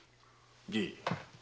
じい。